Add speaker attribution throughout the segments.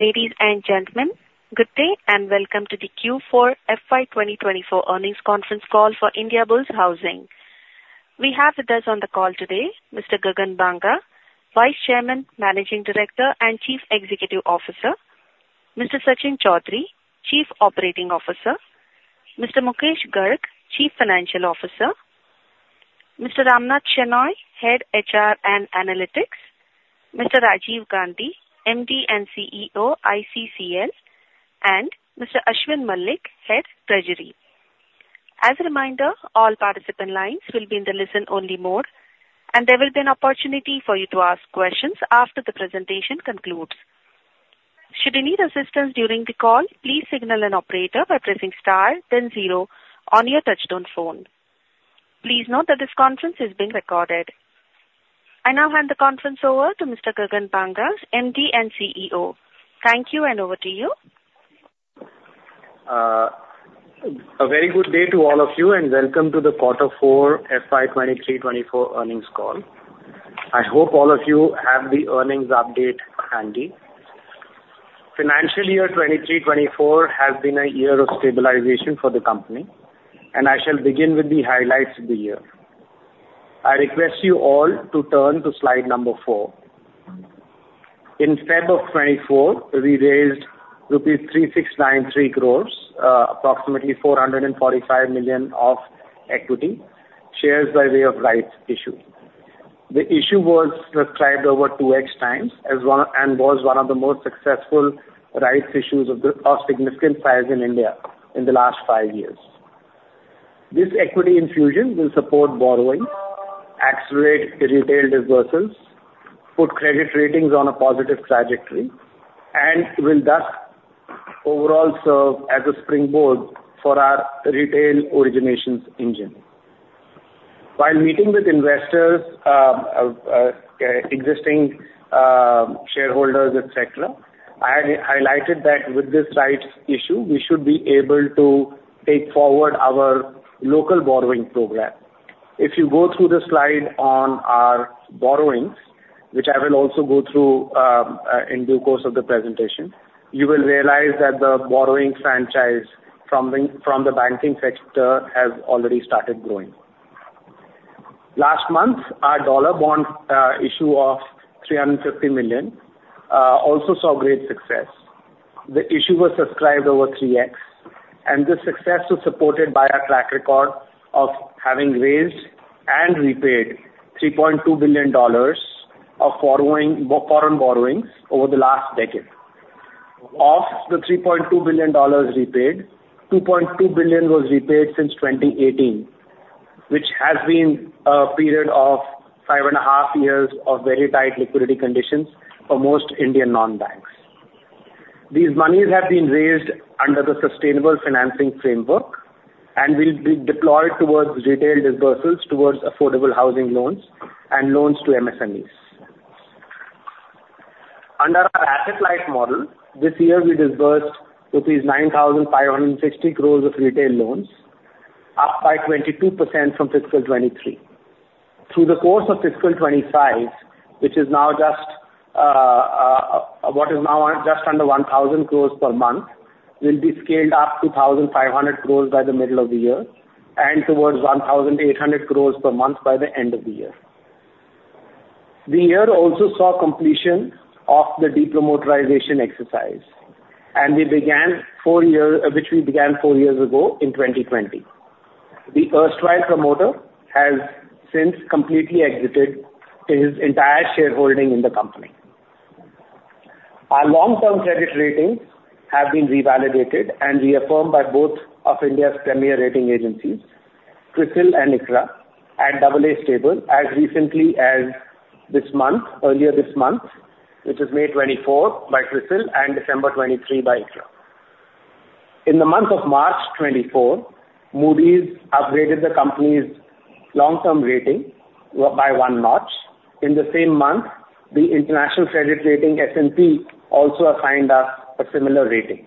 Speaker 1: ...Ladies and gentlemen, good day, and welcome to the Q4 FY 2024 earnings conference call for Indiabulls Housing. We have with us on the call today Mr. Gagan Banga, Vice Chairman, Managing Director, and Chief Executive Officer, Mr. Sachin Chaudhary, Chief Operating Officer, Mr. Mukesh Garg, Chief Financial Officer, Mr. Ramnath Shenoy, Head Investor Relations and Analytics, Mr. Rajiv Gandhi, MD and CEO, ICCL, and Mr. Ashwin Malik, Head Treasury. As a reminder, all participant lines will be in the listen-only mode, and there will be an opportunity for you to ask questions after the presentation concludes. Should you need assistance during the call, please signal an operator by pressing star then zero on your touchtone phone. Please note that this conference is being recorded. I now hand the conference over to Mr. Gagan Banga, MD and CEO. Thank you, and over to you.
Speaker 2: A very good day to all of you, and welcome to the Quarter 4 FY 2023-24 earnings call. I hope all of you have the earnings update handy. Financial year 2023-24 has been a year of stabilization for the company, and I shall begin with the highlights of the year. I request you all to turn to slide number four. In February of 2024, we raised rupees 3,693 crore, approximately $445 million of equity shares by way of rights issue. The issue was subscribed over 2x times as one, and was one of the most successful rights issues of significant size in India in the last five years. This equity infusion will support borrowing, accelerate retail disbursements, put credit ratings on a positive trajectory, and will thus overall serve as a springboard for our retail originations engine. While meeting with investors, existing shareholders, et cetera, I had highlighted that with this Rights Issue, we should be able to take forward our local borrowing program. If you go through the slide on our borrowings, which I will also go through, in due course of the presentation, you will realize that the borrowing franchise from the banking sector has already started growing. Last month, our Dollar Bond issue of $350 million also saw great success. The issue was subscribed over 3x, and this success was supported by our track record of having raised and repaid $3.2 billion of foreign borrowings over the last decade. Of the $3.2 billion repaid, $2.2 billion was repaid since 2018, which has been a period of 5.5 years of very tight liquidity conditions for most Indian non-banks. These monies have been raised under the sustainable financing framework and will be deployed towards retail disbursements, towards affordable housing loans and loans to MSMEs. Under our asset-light model, this year we disbursed rupees 9,560 crore of retail loans, up by 22% from fiscal 2023. Through the course of fiscal 2025, which is now just under 1,000 crore per month, will be scaled up to 1,500 crore by the middle of the year and towards 1,800 crore per month by the end of the year. The year also saw completion of the de-promotorization exercise, which we began 4 years ago in 2020. The erstwhile promoter has since completely exited his entire shareholding in the company. Our long-term credit ratings have been revalidated and reaffirmed by both of India's premier rating agencies, CRISIL and ICRA, at AA stable as recently as this month, earlier this month, which is May 2024 by CRISIL and December 2023 by ICRA. In the month of March 2024, Moody's upgraded the company's long-term rating by one notch. In the same month, the International Credit Rating, S&P, also assigned us a similar rating,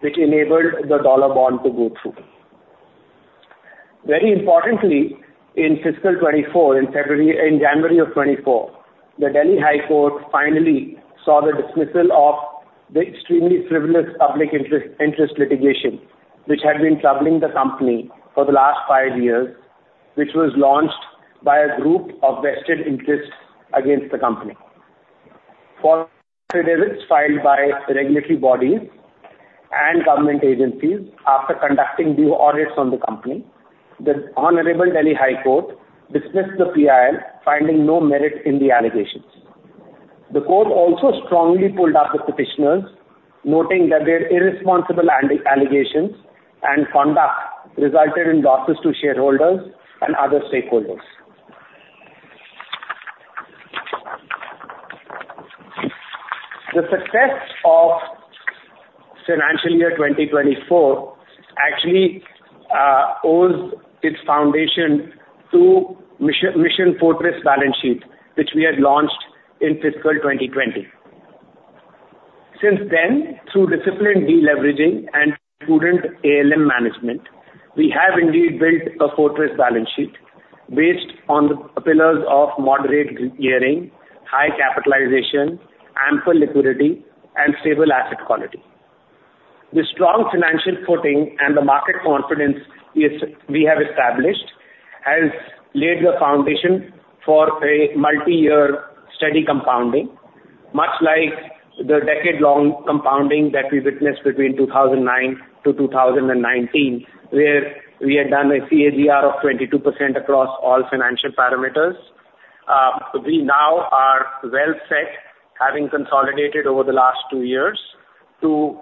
Speaker 2: which enabled the dollar bond to go through. Very importantly, in fiscal 2024, in February... In January 2024, the Delhi High Court finally saw the dismissal of the extremely frivolous public interest litigation, which had been troubling the company for the last five years, which was launched by a group of vested interests against the company. Followed by audits filed by regulatory bodies and government agencies after conducting due audits on the company, the Honorable Delhi High Court dismissed the PIL, finding no merit in the allegations. The court also strongly pulled up the petitioners, noting that their irresponsible allegations and conduct resulted in losses to shareholders and other stakeholders. The success of financial year 2024 actually owes its foundation to Mission Fortress Balance Sheet, which we had launched in fiscal 2020. Since then, through disciplined de-leveraging and prudent ALM management, we have indeed built a fortress balance sheet based on the pillars of moderate gearing, high capitalization, ample liquidity, and stable asset quality. The strong financial footing and the market confidence is, we have established, has laid the foundation for a multi-year steady compounding, much like the decade-long compounding that we witnessed between 2009 to 2019, where we had done a CAGR of 22% across all financial parameters. We now are well set, having consolidated over the last two years, to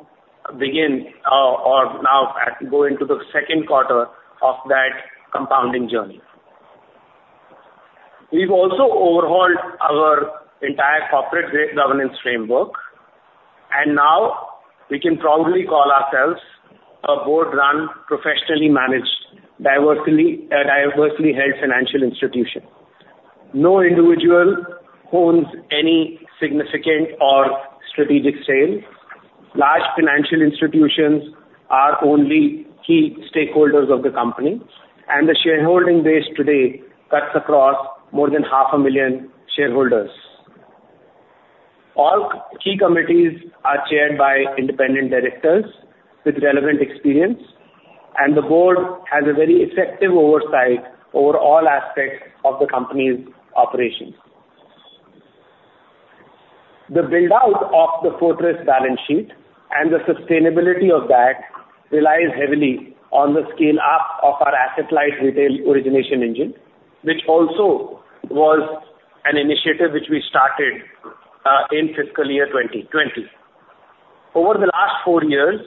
Speaker 2: begin or now go into the second quarter of that compounding journey. We've also overhauled our entire corporate risk governance framework, and now we can proudly call ourselves a board-run, professionally managed, diversely held financial institution. No individual owns any significant or strategic stake. Large financial institutions are only key stakeholders of the company, and the shareholding base today cuts across more than 500,000 shareholders. All key committees are chaired by independent directors with relevant experience, and the board has a very effective oversight over all aspects of the company's operations. The build-out of the fortress balance sheet and the sustainability of that relies heavily on the scale-up of our asset-light retail origination engine, which also was an initiative which we started in fiscal year 2020. Over the last four years,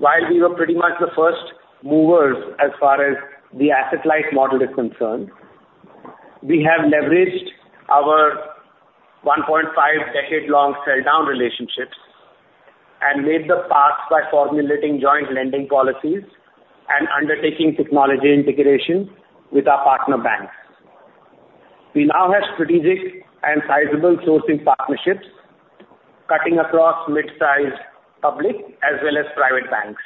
Speaker 2: while we were pretty much the first movers as far as the asset-light model is concerned, we have leveraged our 1.5-decade-long sell-down relationships and laid the path by formulating joint lending policies and undertaking technology integration with our partner banks. We now have strategic and sizable sourcing partnerships cutting across mid-sized public as well as private banks.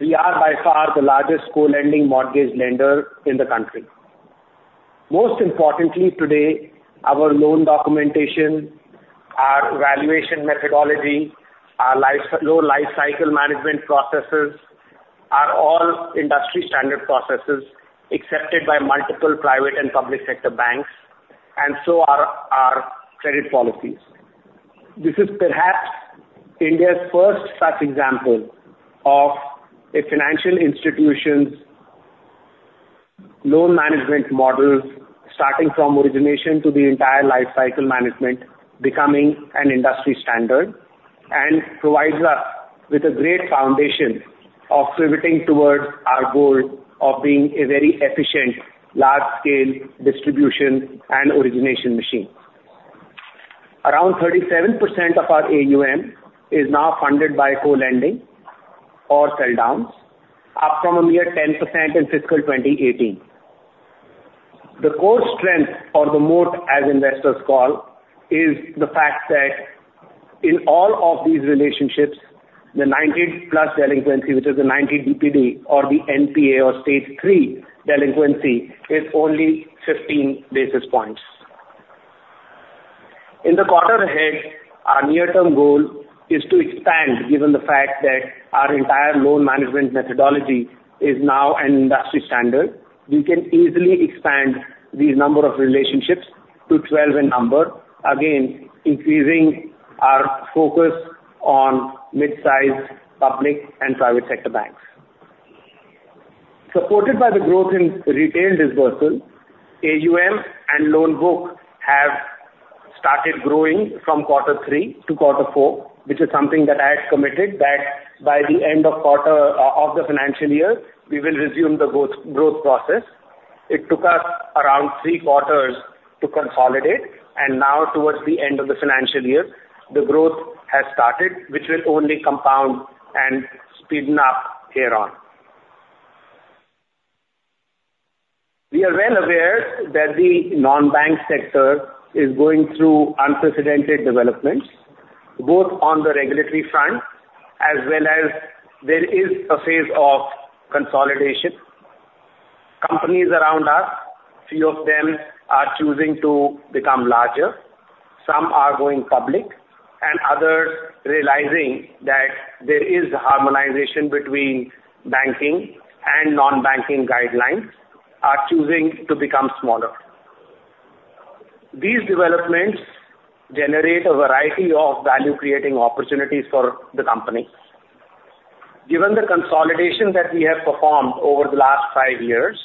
Speaker 2: We are by far the largest co-lending mortgage lender in the country. Most importantly, today, our loan documentation, our valuation methodology, our loan lifecycle management processes are all industry-standard processes accepted by multiple private and public sector banks, and so are our credit policies. This is perhaps India's first such example of a financial institution's loan management model, starting from origination to the entire lifecycle management, becoming an industry standard and provides us with a great foundation of pivoting towards our goal of being a very efficient, large-scale distribution and origination machine. Around 37% of our AUM is now funded by co-lending or sell-downs, up from a mere 10% in fiscal 2018. The core strength, or the moat, as investors call, is the fact that in all of these relationships, the 90+ delinquency, which is the 90 DPD or the NPA or Stage 3 delinquency, is only 15 basis points. In the quarter ahead, our near-term goal is to expand, given the fact that our entire loan management methodology is now an industry standard. We can easily expand the number of relationships to 12 in number, again, increasing our focus on mid-sized public and private sector banks. Supported by the growth in retail dispersal, AUM and loan book have started growing from quarter 3 to quarter 4, which is something that I had committed that by the end of quarter, of the financial year, we will resume the growth, growth process. It took us around three quarters to consolidate, and now towards the end of the financial year, the growth has started, which will only compound and speed up here on. We are well aware that the non-bank sector is going through unprecedented developments, both on the regulatory front as well as there is a phase of consolidation. Companies around us, few of them are choosing to become larger, some are going public, and others, realizing that there is harmonization between banking and non-banking guidelines, are choosing to become smaller. These developments generate a variety of value-creating opportunities for the company. Given the consolidation that we have performed over the last five years,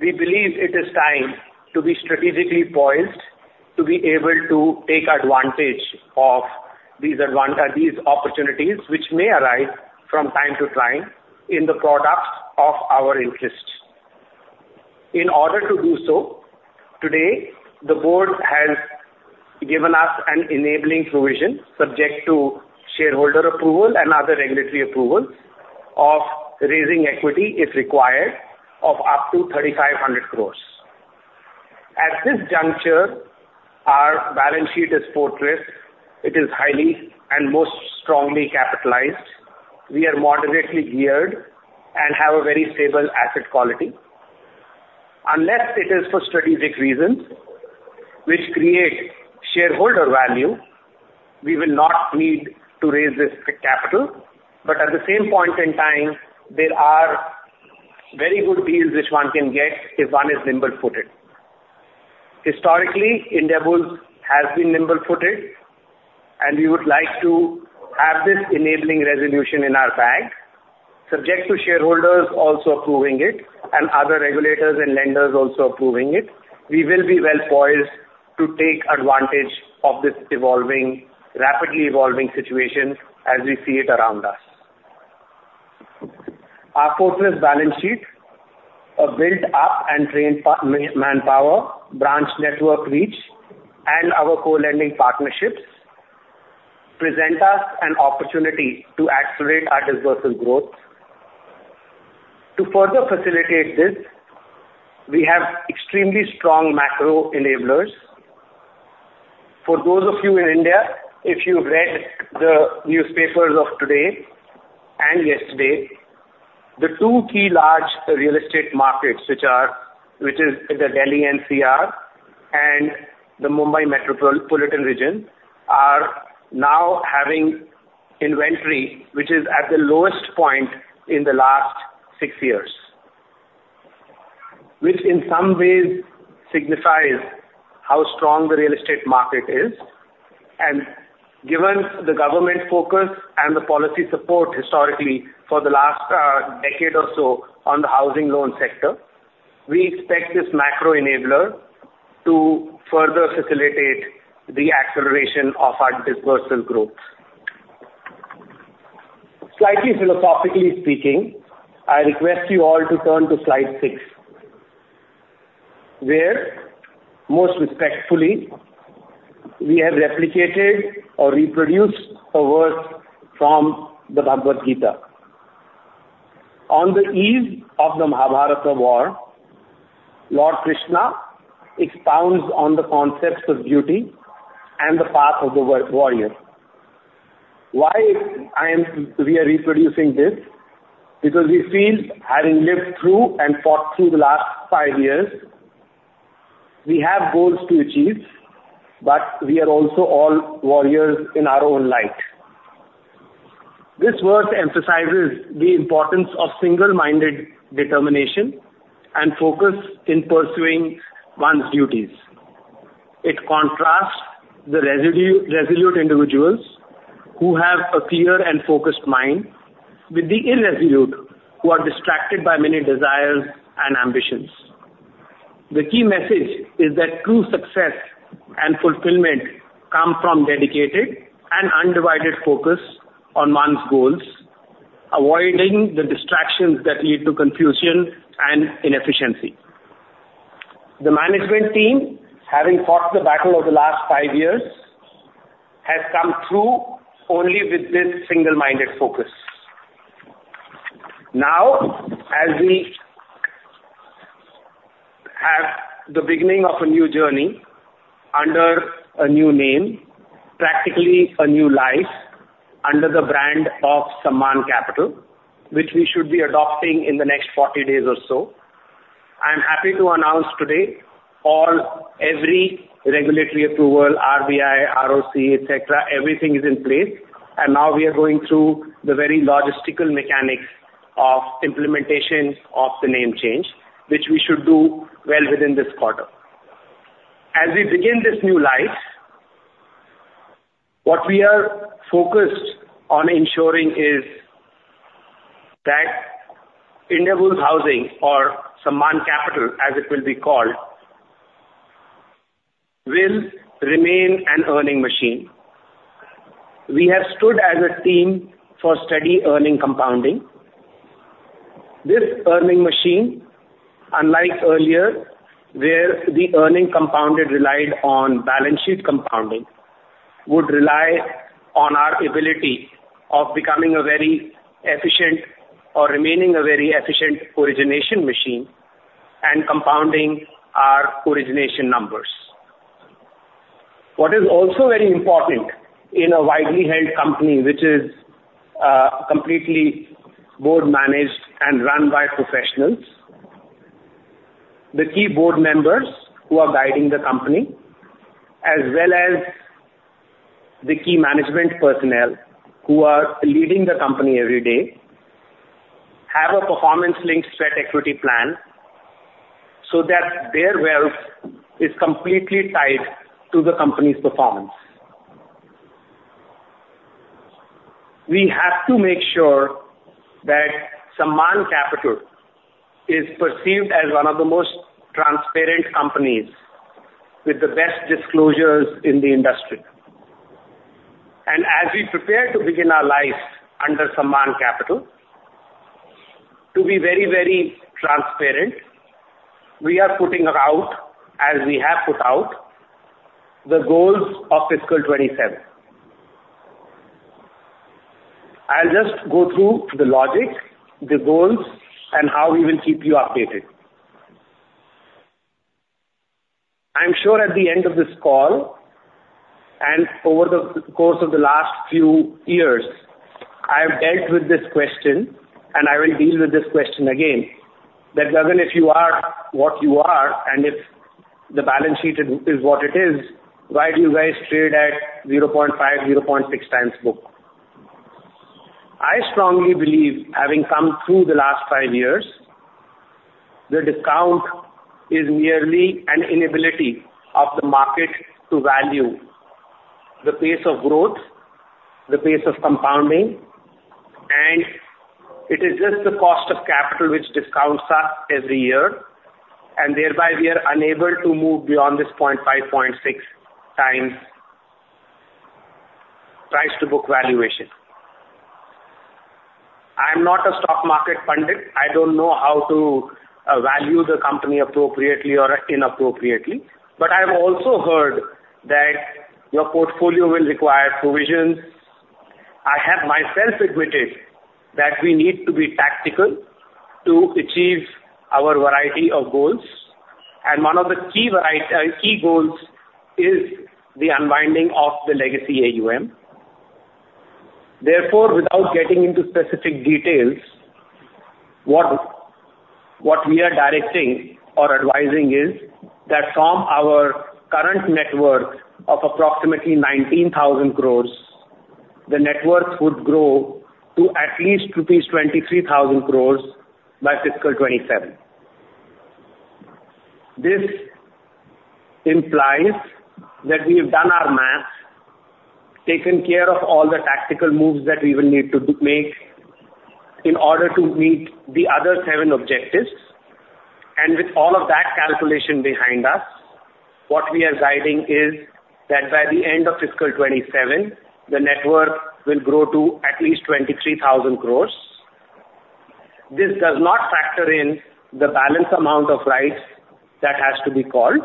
Speaker 2: we believe it is time to be strategically poised to be able to take advantage of these opportunities, which may arise from time to time in the products of our interest. In order to do so, today, the board has given us an enabling provision, subject to shareholder approval and other regulatory approvals, of raising equity, if required, of up to 3,500 crore. At this juncture, our balance sheet is fortress. It is highly and most strongly capitalized. We are moderately geared and have a very stable asset quality. Unless it is for strategic reasons which create shareholder value, we will not need to raise this capital. But at the same point in time, there are very good deals which one can get if one is nimble-footed. Historically, Indiabulls has been nimble-footed, and we would like to have this enabling resolution in our bag, subject to shareholders also approving it and other regulators and lenders also approving it. We will be well poised to take advantage of this evolving, rapidly evolving situation as we see it around us. Our fortress balance sheet, a built up and trained manpower, branch network reach, and our co-lending partnerships present us an opportunity to accelerate our disbursal growth. To further facilitate this, we have extremely strong macro enablers. For those of you in India, if you've read the newspapers of today and yesterday, the two key large real estate markets, which are, which is the Delhi NCR and the Mumbai Metropolitan Region, are now having inventory, which is at the lowest point in the last six years. Which in some ways signifies how strong the real estate market is, and given the government focus and the policy support historically for the last decade or so on the housing loan sector, we expect this macro enabler to further facilitate the acceleration of our disbursal growth. Slightly philosophically speaking, I request you all to turn to slide six, where most respectfully, we have replicated or reproduced a verse from the Bhagavad Gita. On the eve of the Mahabharata war, Lord Krishna expounds on the concepts of duty and the path of the warrior. Why I am, we are reproducing this? Because we feel having lived through and fought through the last five years, we have goals to achieve, but we are also all warriors in our own light. This verse emphasizes the importance of single-minded determination and focus in pursuing one's duties. It contrasts the resolute individuals who have a clear and focused mind, with the irresolute, who are distracted by many desires and ambitions. The key message is that true success and fulfillment come from dedicated and undivided focus on one's goals, avoiding the distractions that lead to confusion and inefficiency. The management team, having fought the battle over the last 5 years, has come through only with this single-minded focus. Now, as we have the beginning of a new journey under a new name, practically a new life under the brand of Sammaan Capital, which we should be adopting in the next 40 days or so. I am happy to announce today all, every regulatory approval, RBI, ROC, et cetera, everything is in place, and now we are going through the very logistical mechanics of implementation of the name change, which we should do well within this quarter. As we begin this new life, what we are focused on ensuring is that Indiabulls Housing or Sammaan Capital, as it will be called, will remain an earning machine. We have stood as a team for steady earning compounding. This earning machine, unlike earlier, where the earning compounded relied on balance sheet compounding, would rely on our ability of becoming a very efficient or remaining a very efficient origination machine and compounding our origination numbers. What is also very important in a widely held company, which is, completely board managed and run by professionals, the key board members who are guiding the company, as well as the key management personnel who are leading the company every day, have a performance-linked sweat equity plan so that their wealth is completely tied to the company's performance. We have to make sure that Sammaan Capital is perceived as one of the most transparent companies with the best disclosures in the industry. And as we prepare to begin our life under Sammaan Capital, to be very, very transparent, we are putting out, as we have put out, the goals of fiscal 2027.... I'll just go through the logic, the goals, and how we will keep you updated. I'm sure at the end of this call, and over the course of the last few years, I have dealt with this question, and I will deal with this question again. That, Gagan, if you are what you are, and if the balance sheet is, is what it is, why do you guys trade at 0.5-0.6 times book? I strongly believe, having come through the last five years, the discount is merely an inability of the market to value the pace of growth, the pace of compounding, and it is just the cost of capital which discounts us every year, and thereby we are unable to move beyond this 0.5-0.6 times price-to-book valuation. I'm not a stock market pundit. I don't know how to value the company appropriately or inappropriately, but I have also heard that your portfolio will require provisions. I have myself admitted that we need to be tactical to achieve our variety of goals, and one of the key vari- key goals is the unwinding of the legacy AUM. Therefore, without getting into specific details, what we are directing or advising is that from our current net worth of approximately 19,000 crore, the net worth would grow to at least rupees 23,000 crore by fiscal 2027. This implies that we have done our math, taken care of all the tactical moves that we will need to make in order to meet the other seven objectives. And with all of that calculation behind us, what we are guiding is that by the end of fiscal 2027, the net worth will grow to at least 23,000 crore. This does not factor in the balance amount of rights that has to be called.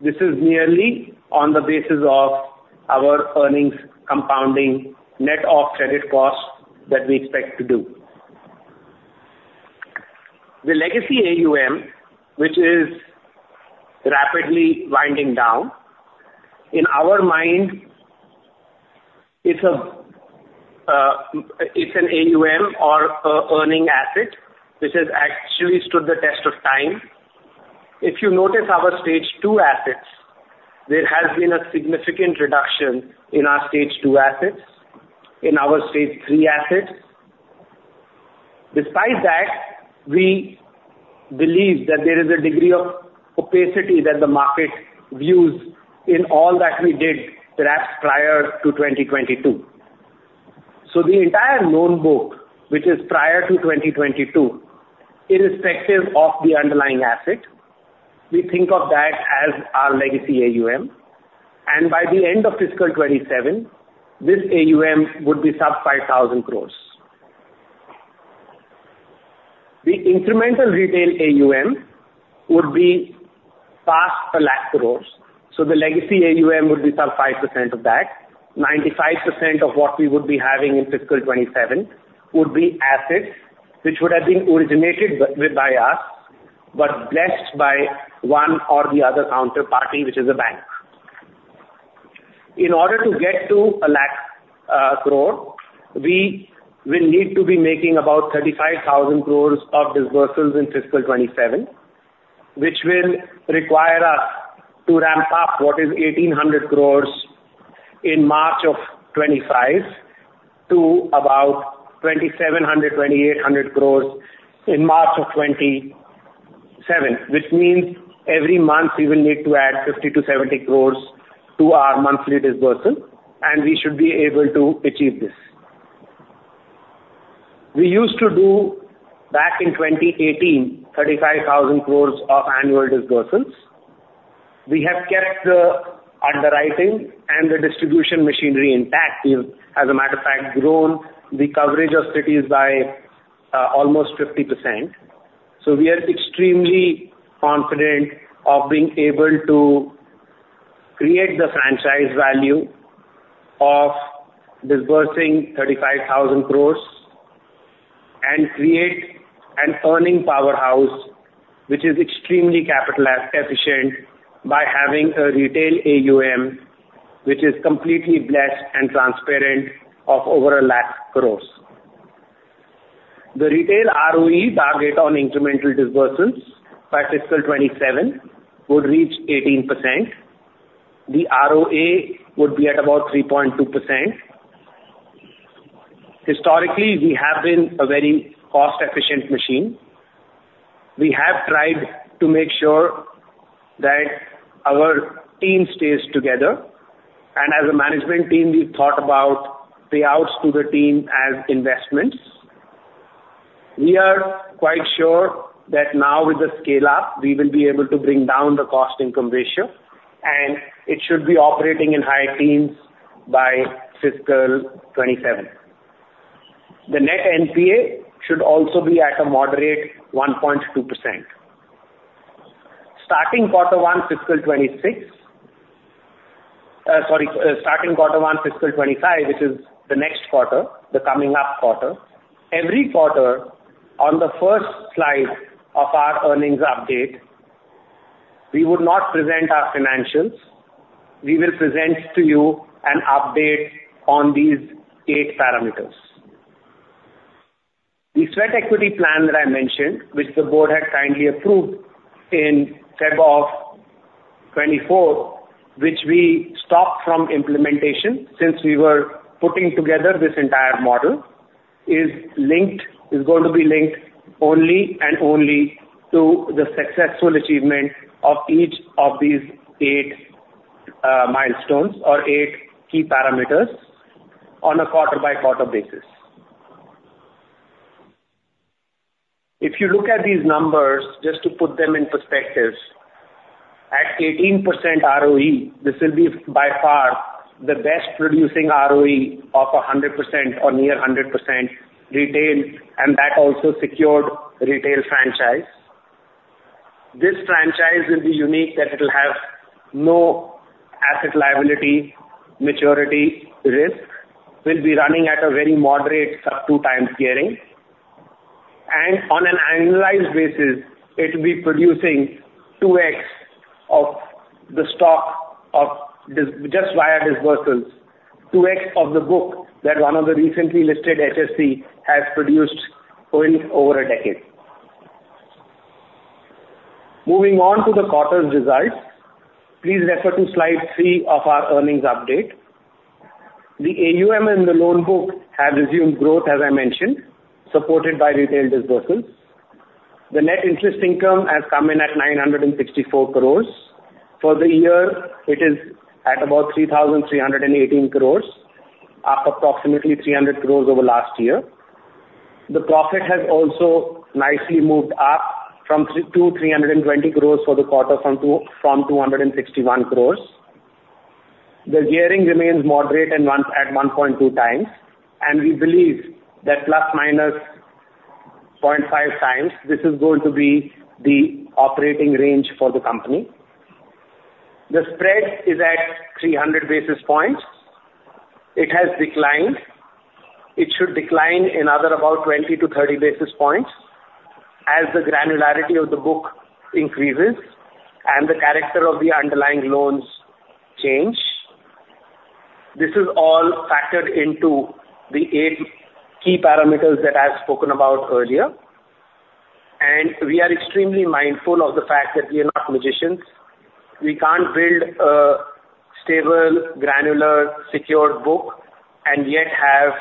Speaker 2: This is merely on the basis of our earnings compounding net-off credit cost that we expect to do. The legacy AUM, which is rapidly winding down. In our mind, it's a, it's an AUM or, earning asset, which has actually stood the test of time. If you notice our Stage Two assets, there has been a significant reduction in our Stage Two assets, in our Stage Three assets. Despite that, we believe that there is a degree of opacity that the market views in all that we did perhaps prior to 2022. So the entire loan book, which is prior to 2022, irrespective of the underlying asset, we think of that as our legacy AUM, and by the end of fiscal 2027, this AUM would be sub 5,000 crore. The incremental retail AUM would be past 100,000 crore, so the legacy AUM would be sub 5% of that. 95% of what we would be having in fiscal 2027 would be assets which would have been originated by us, but blessed by one or the other counterparty, which is a bank. In order to get to a lakh crore, we will need to be making about 35,000 crore of disbursements in fiscal 2027, which will require us to ramp up what is 1,800 crore in March of 2025 to about 2,700-2,800 crore in March of 2027. Which means every month we will need to add 50 crores-70 crores to our monthly disbursement, and we should be able to achieve this. We used to do, back in 2018, 35,000 crores of annual disbursements. We have kept the underwriting and the distribution machinery intact. We've, as a matter of fact, grown the coverage of cities by almost 50%. So we are extremely confident of being able to create the franchise value of disbursing 35,000 crores and create an earning powerhouse, which is extremely capital efficient, by having a retail AUM, which is completely blessed and transparent, of over 100,000 crores. The retail ROE target on incremental disbursements by fiscal 2027 would reach 18%. The ROA would be at about 3.2%. Historically, we have been a very cost-efficient machine. We have tried to make sure that our team stays together, and as a management team, we thought about payouts to the team as investments. We are quite sure that now with the scale-up, we will be able to bring down the cost-income ratio, and it should be operating in high teens by fiscal 2027. The net NPA should also be at a moderate 1.2%.... Starting Q1, fiscal 2026, sorry, starting Q1, fiscal 2025, which is the next quarter, the coming up quarter, every quarter on the first slide of our earnings update, we would not present our financials. We will present to you an update on these eight parameters. The Sweat Equity plan that I mentioned, which the board had kindly approved in February of 2024, which we stopped from implementation since we were putting together this entire model, is linked, is going to be linked only and only to the successful achievement of each of these eight milestones or eight key parameters on a quarter-by-quarter basis. If you look at these numbers, just to put them in perspective, at 18% ROE, this will be by far the best producing ROE of 100% or near 100% retail, and that also secured retail franchise. This franchise will be unique, that it will have no asset liability, maturity risk, will be running at a very moderate sub 2x gearing, and on an annualized basis, it will be producing 2x of the stock of this just via disbursements. 2x of the book that one of the recently listed HFC has produced in over a decade. Moving on to the quarter's results, please refer to slide 3 of our earnings update. The AUM and the loan book have resumed growth, as I mentioned, supported by retail disbursements. The net interest income has come in at 964 crore. For the year, it is at about 3,318 crore, up approximately 300 crore over last year. The profit has also nicely moved up from 3 to 320 crore for the quarter from 2, from 261 crore. The gearing remains moderate and 1, at 1.2x, and we believe that ±0.5x, this is going to be the operating range for the company. The spread is at 300 basis points. It has declined. It should decline another about 20-30 basis points as the granularity of the book increases and the character of the underlying loans change. This is all factored into the eight key parameters that I have spoken about earlier, and we are extremely mindful of the fact that we are not magicians. We can't build a stable, granular, secured book and yet have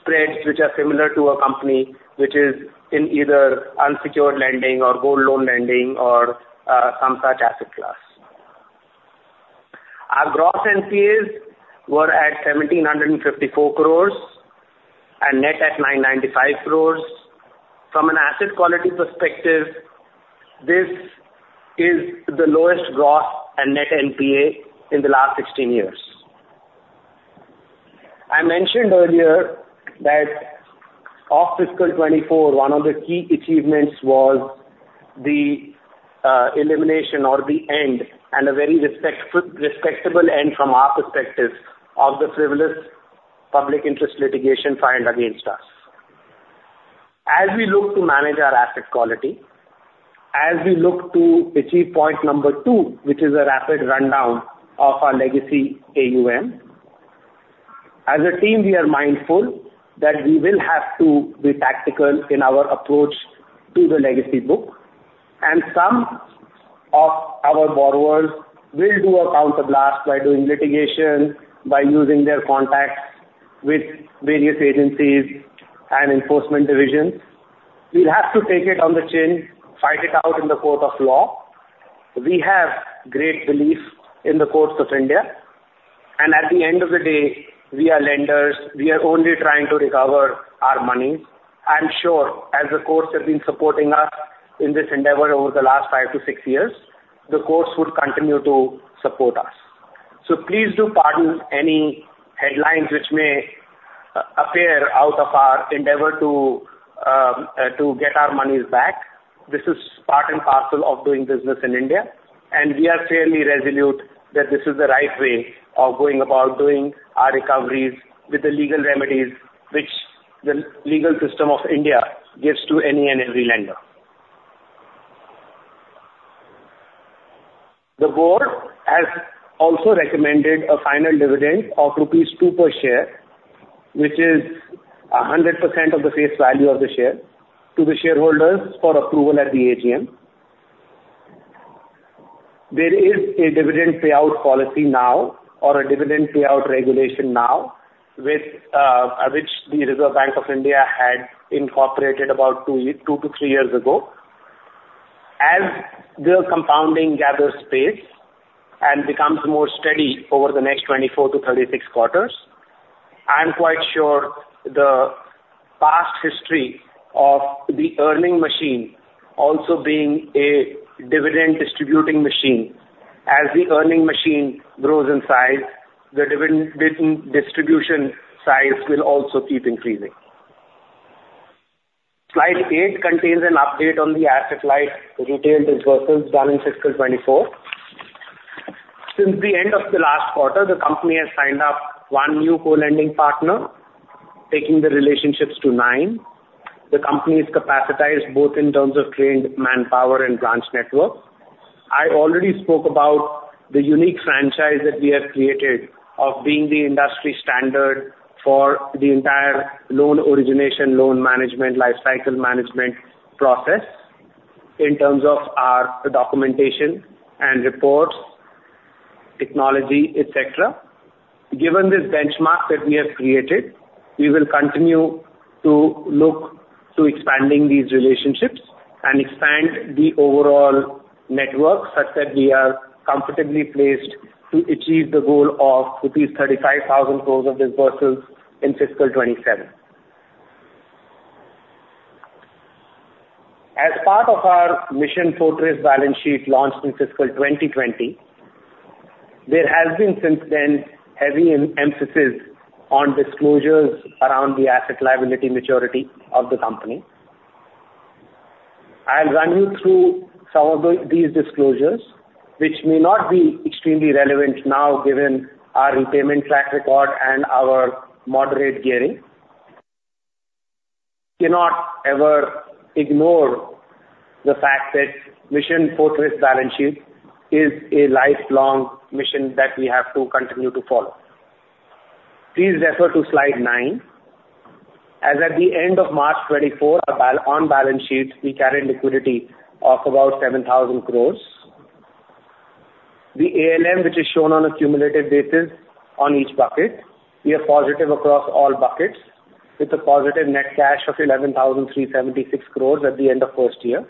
Speaker 2: spreads which are similar to a company which is in either unsecured lending or gold loan lending or, some such asset class. Our gross NPAs were at 1,754 crore and net at 995 crore. From an asset quality perspective, this is the lowest gross and net NPA in the last 16 years. I mentioned earlier that of fiscal 2024, one of the key achievements was the elimination or the end, and a very respectable end from our perspective, of the frivolous public interest litigation filed against us. As we look to manage our asset quality, as we look to achieve point number two, which is a rapid rundown of our legacy AUM, as a team, we are mindful that we will have to be tactical in our approach to the legacy book, and some of our borrowers will do a counterblast by doing litigation, by using their contacts with various agencies and enforcement divisions. We'll have to take it on the chin, fight it out in the court of law. We have great belief in the courts of India, and at the end of the day, we are lenders. We are only trying to recover our money. I am sure as the courts have been supporting us in this endeavor over the last 5-6 years, the courts will continue to support us. So please do pardon any headlines which may appear out of our endeavor to get our monies back. This is part and parcel of doing business in India, and we are fairly resolute that this is the right way of going about doing our recoveries with the legal remedies which the legal system of India gives to any and every lender. The board has also recommended a final dividend of rupees 2 per share, which is 100% of the face value of the share to the shareholders for approval at the AGM. There is a dividend payout policy now or a dividend payout regulation now, with which the Reserve Bank of India had incorporated about 2-3 years ago. As their compounding gathers pace and becomes more steady over the next 24-36 quarters, I am quite sure the past history of the earning machine also being a dividend distributing machine. As the earning machine grows in size, the dividend distribution size will also keep increasing. Slide 8 contains an update on the asset-light retail disbursements done in fiscal 2024. Since the end of the last quarter, the company has signed up 1 new co-lending partner, taking the relationships to 9. The company is capacitized both in terms of trained manpower and branch network. I already spoke about the unique franchise that we have created of being the industry standard for the entire loan origination, loan management, lifecycle management process in terms of our documentation and reports, technology, et cetera. Given this benchmark that we have created, we will continue to look to expanding these relationships and expand the overall network, such that we are comfortably placed to achieve the goal of rupees 35,000 crore of disbursements in fiscal 2027. As part of our Mission Fortress Balance Sheet launched in fiscal 2020, there has been since then heavy emphasis on disclosures around the asset liability maturity of the company. I'll run you through some of the, these disclosures, which may not be extremely relevant now, given our repayment track record and our moderate gearing. Cannot ever ignore the fact that Mission Fortress Balance Sheet is a lifelong mission that we have to continue to follow. Please refer to slide 9. As at the end of March 2024, on balance sheet, we carried liquidity of about 7,000 crore. The ALM, which is shown on a cumulative basis on each bucket, we are positive across all buckets, with a positive net cash of 11,376 crore at the end of first year.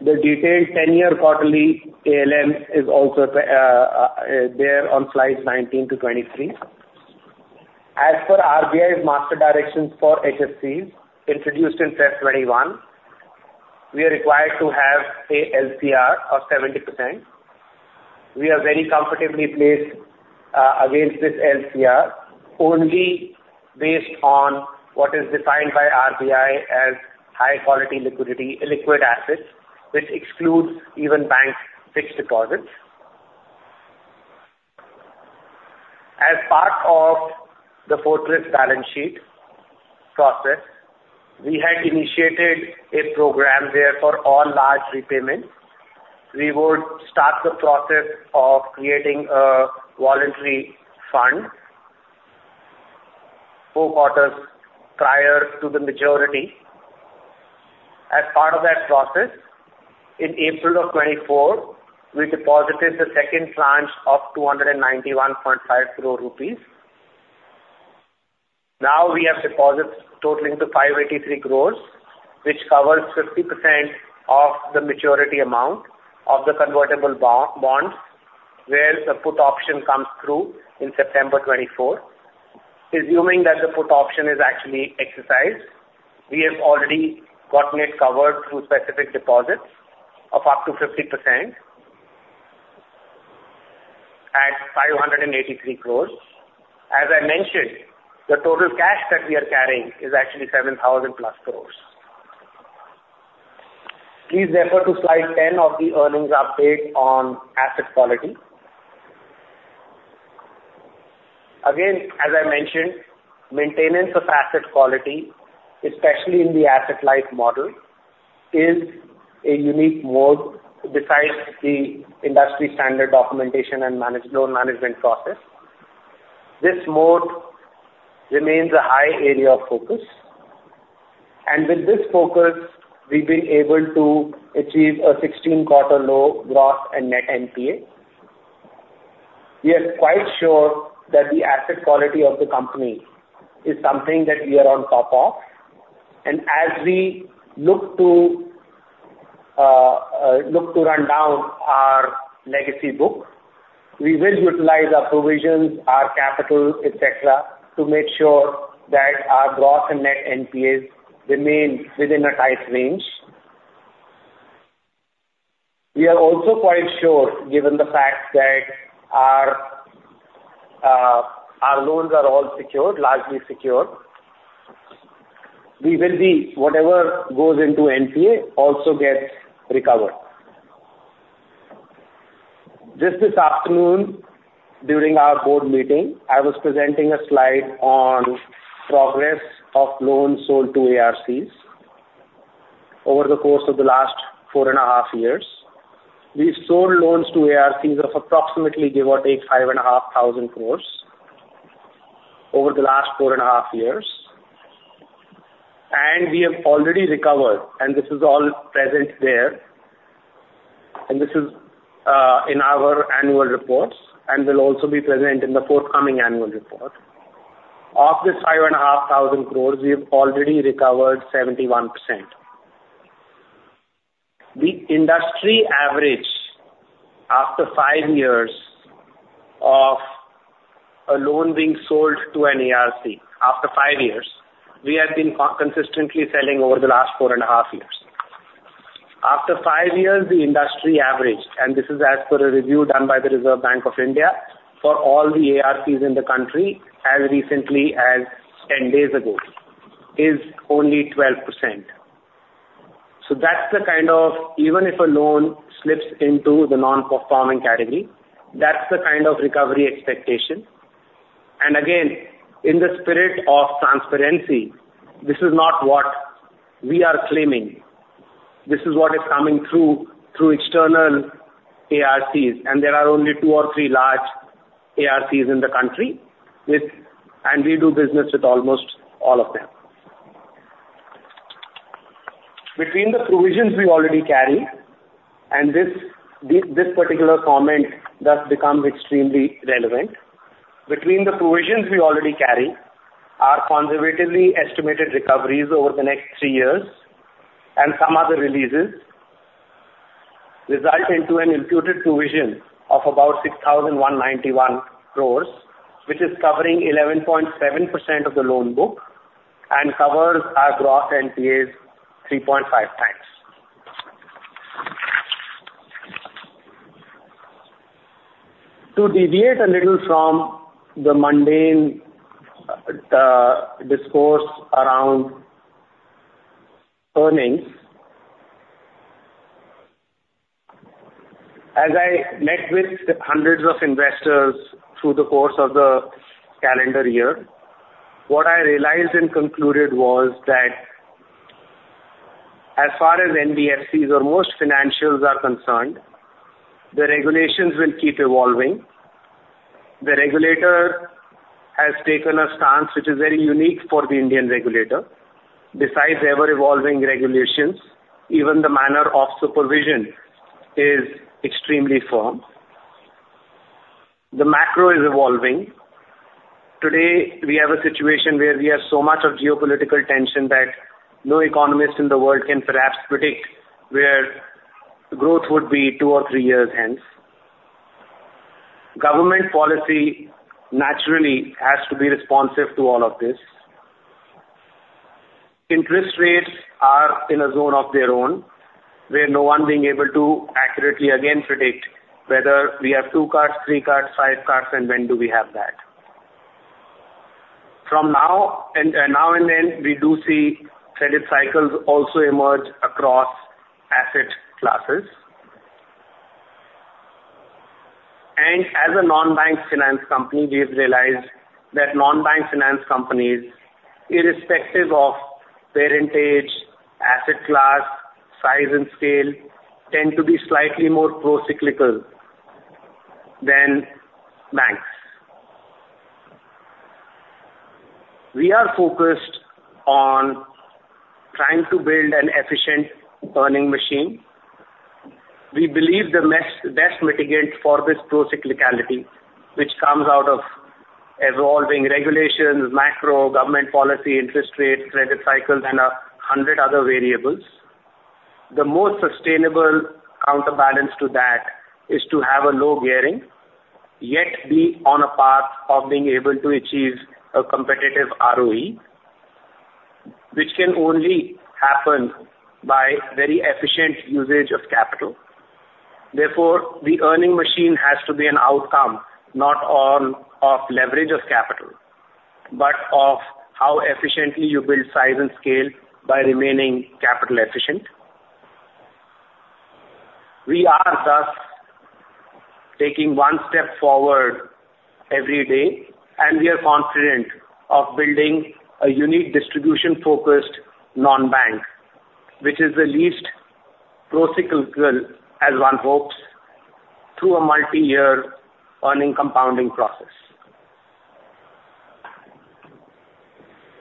Speaker 2: The detailed 10-year quarterly ALMs is also there on slides 19-23. As for RBI's master directions for HFCs, introduced in February 2021, we are required to have a LCR of 70%. We are very comfortably placed against this LCR, only based on what is defined by RBI as high-quality liquid assets, which excludes even bank fixed deposits. As part of the Fortress balance sheet process, we had initiated a program where for all large repayments, we would start the process of creating a voluntary fund four quarters prior to the maturity. As part of that process, in April 2024, we deposited the second tranche of 291.5 crore rupees. Now we have deposits totaling 583 crore, which covers 50% of the maturity amount of the convertible bond, bonds, where the put option comes through in September 2024. Assuming that the put option is actually exercised, we have already got net covered through specific deposits of up to 50% at 583 crore. As I mentioned, the total cash that we are carrying is actually 7,000+ crore. Please refer to slide 10 of the earnings update on asset quality. Again, as I mentioned, maintenance of asset quality, especially in the asset-light model, is a unique model besides the industry standard documentation and management loan management process. This model remains a high area of focus, and with this focus, we've been able to achieve a 16-quarter low gross and net NPA. We are quite sure that the asset quality of the company is something that we are on top of, and as we look to look to run down our legacy book, we will utilize our provisions, our capital, et cetera, to make sure that our gross and net NPAs remain within a tight range. We are also quite sure, given the fact that our our loans are all secured, largely secured, we will be whatever goes into NPA also gets recovered. Just this afternoon, during our board meeting, I was presenting a slide on progress of loans sold to ARCs over the course of the last four and a half years. We sold loans to ARCs of approximately, give or take, 5,500 crore over the last four and a half years, and we have already recovered, and this is all present there, and this is, in our annual reports and will also be present in the forthcoming annual report. Of this 5,500 crore, we have already recovered 71%. The industry average after five years of a loan being sold to an ARC, after five years, we have been consistently selling over the last four and a half years. After five years, the industry average, and this is as per a review done by the Reserve Bank of India, for all the ARCs in the country, as recently as 10 days ago, is only 12%. So that's the kind of even if a loan slips into the non-performing category, that's the kind of recovery expectation. And again, in the spirit of transparency, this is not what we are claiming. This is what is coming through, through external ARCs, and there are only two or three large ARCs in the country, with and we do business with almost all of them. Between the provisions we already carry, and this, this, this particular comment thus becomes extremely relevant. Between the provisions we already carry, our conservatively estimated recoveries over the next three years and some other releases, result into an imputed provision of about 6,191 crore, which is covering 11.7% of the loan book and covers our gross NPAs 3.5 times. To deviate a little from the mundane, discourse around earnings, as I met with hundreds of investors through the course of the calendar year, what I realized and concluded was that as far as NBFCs or most financials are concerned, the regulations will keep evolving. The regulator has taken a stance which is very unique for the Indian regulator. Besides ever-evolving regulations, even the manner of supervision is extremely firm. The macro is evolving. Today, we have a situation where we have so much of geopolitical tension that no economist in the world can perhaps predict where growth would be two or three years hence. Government policy naturally has to be responsive to all of this. Interest rates are in a zone of their own, where no one being able to accurately, again, predict whether we have two cuts, three cuts, five cuts, and when do we have that? From now and then, we do see credit cycles also emerge across asset classes. As a non-bank finance company, we have realized that non-bank finance companies, irrespective of parentage, asset class, size, and scale, tend to be slightly more procyclical than banks. We are focused on trying to build an efficient earning machine. We believe the best mitigant for this procyclicality, which comes out of evolving regulations, macro, government policy, interest rates, credit cycles, and a hundred other variables. The most sustainable counterbalance to that is to have a low gearing, yet be on a path of being able to achieve a competitive ROE, which can only happen by very efficient usage of capital. Therefore, the earning machine has to be an outcome, not of leverage of capital, but of how efficiently you build size and scale by remaining capital efficient. We are thus taking one step forward every day, and we are confident of building a unique distribution-focused non-bank, which is the least procyclical, as one hopes, through a multi-year earning compounding process.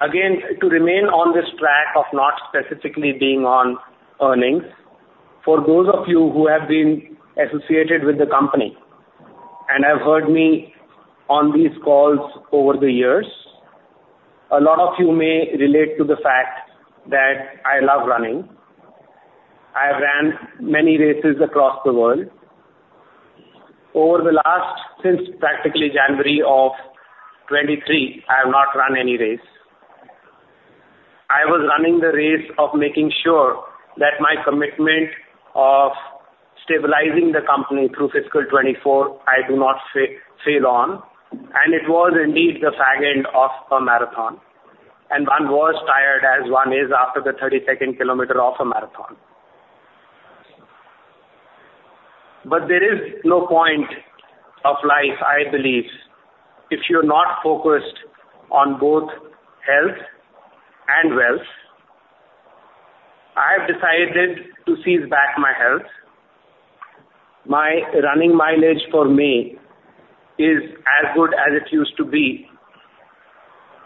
Speaker 2: Again, to remain on this track of not specifically being on earnings, for those of you who have been associated with the company and have heard me on these calls over the years, a lot of you may relate to the fact that I love running. I have ran many races across the world. Over the last, since practically January 2023, I have not run any race. I was running the race of making sure that my commitment of stabilizing the company through fiscal 2024, I do not fail on, and it was indeed the fag end of a marathon, and one was tired as one is after the thirty-second kilometer of a marathon. But there is no point of life, I believe, if you're not focused on both health and wealth. I have decided to seize back my health. My running mileage for May is as good as it used to be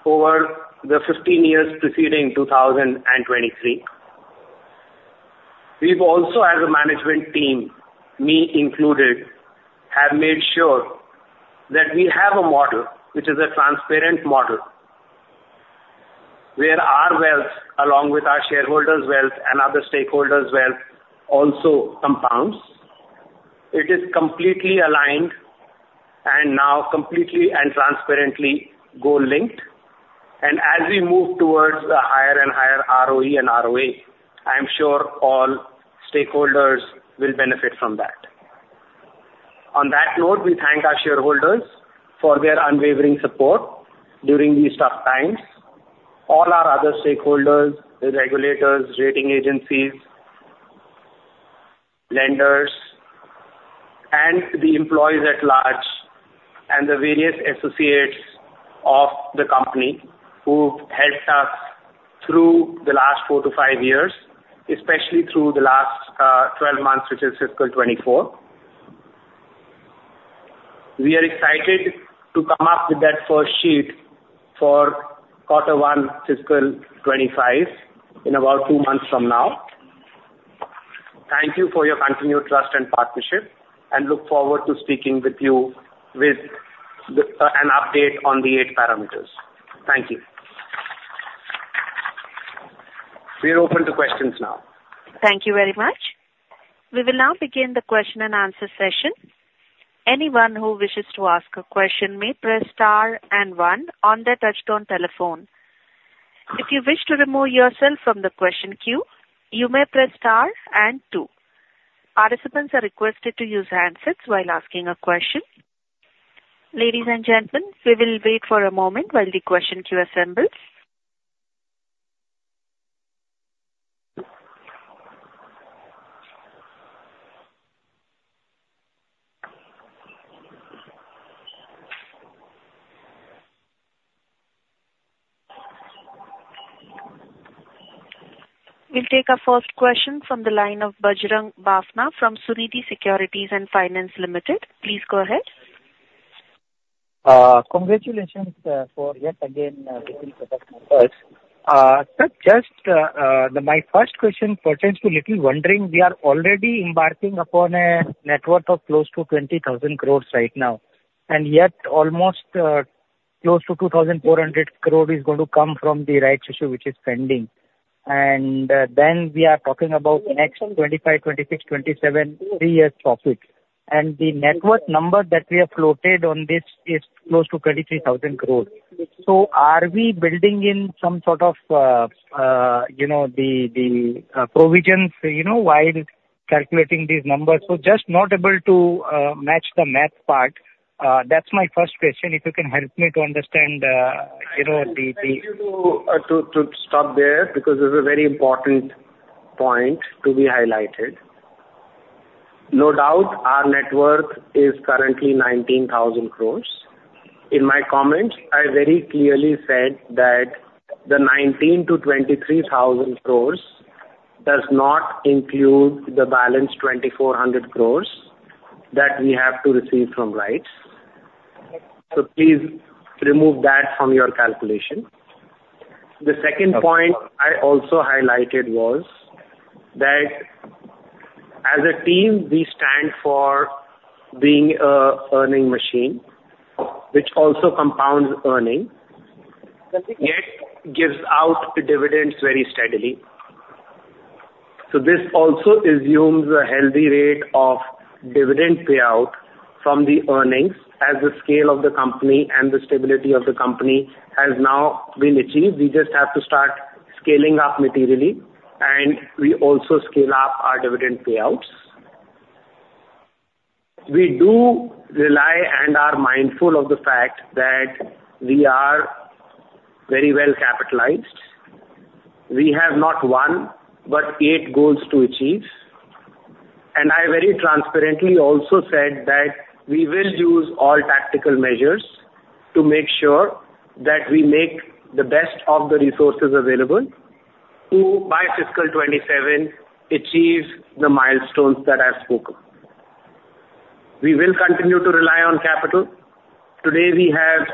Speaker 2: over the 15 years preceding 2023. We've also, as a management team, me included, have made sure that we have a model, which is a transparent model, where our wealth, along with our shareholders' wealth and other stakeholders' wealth, also compounds. It is completely aligned and now completely and transparently goal linked. And as we move towards the higher and higher ROE and ROA, I am sure all stakeholders will benefit from that. On that note, we thank our shareholders for their unwavering support during these tough times. All our other stakeholders, the regulators, rating agencies, lenders, and the employees at large, and the various associates of the company who helped us through the last 4-5 years, especially through the last 12 months, which is fiscal 2024. We are excited to come up with that first sheet for quarter 1, fiscal 25, in about two months from now. Thank you for your continued trust and partnership, and look forward to speaking with you with the, an update on the eight parameters. Thank you. We're open to questions now.
Speaker 1: Thank you very much. We will now begin the question and answer session. Anyone who wishes to ask a question may press star and one on their touchtone telephone. If you wish to remove yourself from the question queue, you may press star and two. Participants are requested to use handsets while asking a question. Ladies and gentlemen, we will wait for a moment while the question queue assembles. We'll take our first question from the line of Bajrang Bafna from Sunidhi Securities and Finance Limited. Please go ahead.
Speaker 3: Congratulations for yet again, sir, just, my first question pertains to a little wondering. We are already embarking upon a net worth of close to 20,000 crore right now, and yet almost close to 2,400 crore is going to come from the rights issue, which is pending. And then we are talking about next 2025, 2026, 2027 three years profit. And the net worth number that we have floated on this is close to 23,000 crore. So are we building in some sort of, you know, the provisions, you know, while calculating these numbers? So just not able to match the math part. That's my first question. If you can help me to understand, you know, the, the-
Speaker 2: Thank you to stop there, because this is a very important point to be highlighted. No doubt, our net worth is currently 19,000 crore. In my comments, I very clearly said that the 19,000 crore-23,000 crore does not include the balance 2,400 crore that we have to receive from rights. So please remove that from your calculation. The second point I also highlighted was that as a team, we stand for being a earning machine, which also compounds earning, yet gives out dividends very steadily. So this also assumes a healthy rate of dividend payout from the earnings as the scale of the company and the stability of the company has now been achieved. We just have to start scaling up materially, and we also scale up our dividend payouts. We do rely and are mindful of the fact that we are very well capitalized. We have not 1, but 8 goals to achieve. I very transparently also said that we will use all tactical measures to make sure that we make the best of the resources available to, by fiscal 2027, achieve the milestones that I've spoken. We will continue to rely on capital. Today, we have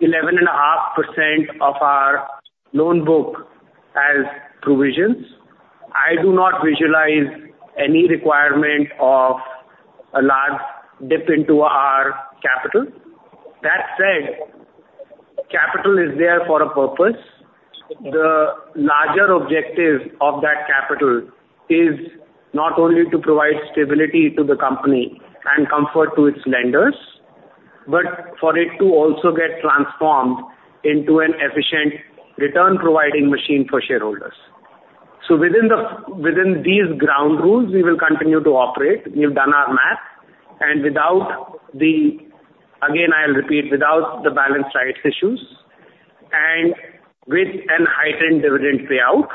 Speaker 2: 11.5% of our loan book as provisions. I do not visualize any requirement of a large dip into our capital. That said, capital is there for a purpose. The larger objective of that capital is not only to provide stability to the company and comfort to its lenders, but for it to also get transformed into an efficient return-providing machine for shareholders. Within these ground rules, we will continue to operate. We've done our math, and without the... Again, I'll repeat, without the balance rights issues and with a heightened dividend payout,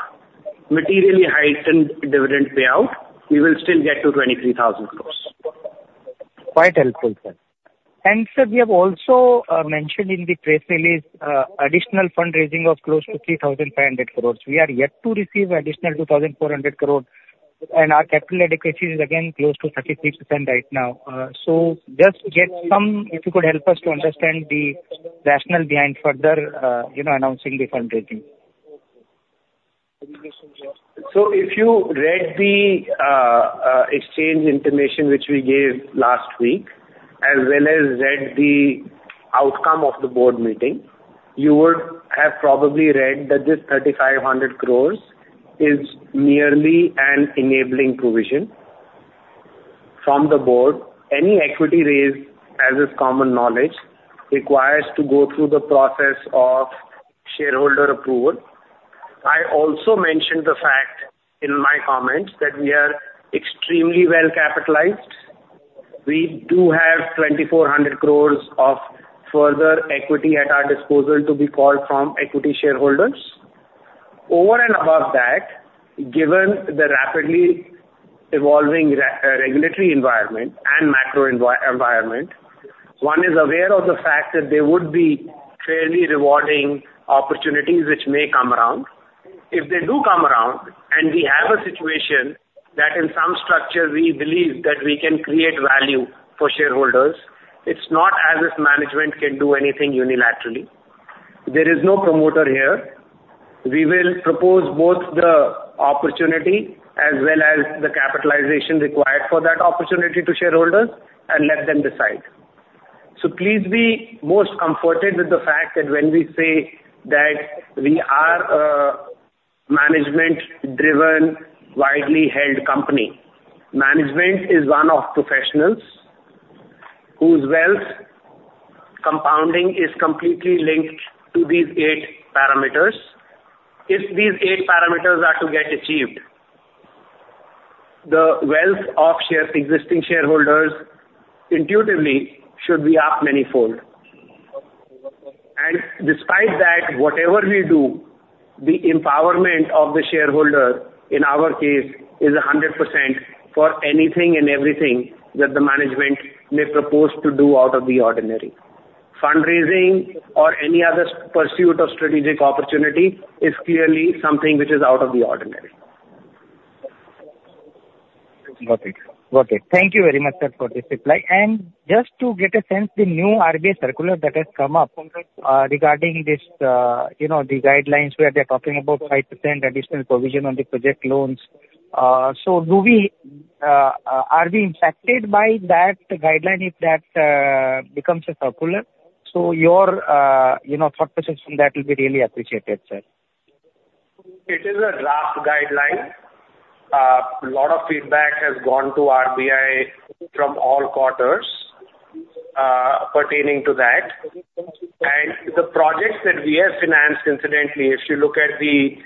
Speaker 2: materially heightened dividend payout, we will still get to 23,000 crore.
Speaker 3: Quite helpful, sir. And sir, we have also mentioned in the press release additional fundraising of close to 3,500 crore. We are yet to receive additional 2,400 crore, and our capital adequacy is again close to 33% right now. So just get some, if you could help us to understand the rationale behind further, you know, announcing the fundraising?
Speaker 2: So, If you read the exchange information, which we gave last week, as well as read the outcome of the board meeting, you would have probably read that this 3,500 crore is merely an enabling provision from the board. Any equity raised, as is common knowledge, requires to go through the process of shareholder approval. I also mentioned the fact in my comments that we are extremely well-capitalized. We do have 2,400 crore of further equity at our disposal to be called from equity shareholders. Over and above that, given the rapidly evolving regulatory environment and macro environment, one is aware of the fact that there would be fairly rewarding opportunities which may come around. If they do come around, and we have a situation that in some structure we believe that we can create value for shareholders, it's not as if management can do anything unilaterally. There is no promoter here. We will propose both the opportunity as well as the capitalization required for that opportunity to shareholders and let them decide. So please be most comforted with the fact that when we say that we are a management-driven, widely held company, management is one of professionals whose wealth compounding is completely linked to these eight parameters. If these eight parameters are to get achieved, the wealth of existing shareholders intuitively should be up manifold. And despite that, whatever we do, the empowerment of the shareholder, in our case, is 100% for anything and everything that the management may propose to do out of the ordinary. Fundraising or any other pursuit of strategic opportunity is clearly something which is out of the ordinary.
Speaker 3: Got it. Got it. Thank you very much, sir, for this reply. And just to get a sense, the new RBI circular that has come up, regarding this, you know, the guidelines where they're talking about 5% additional provision on the project loans. So do we, are we impacted by that guideline if that, becomes a circular? So your, you know, thought process on that will be really appreciated, sir.
Speaker 2: It is a draft guideline. A lot of feedback has gone to RBI from all quarters, pertaining to that. And the projects that we have financed, incidentally, if you look at the,